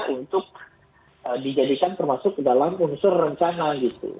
untuk dijadikan termasuk dalam unsur rencana gitu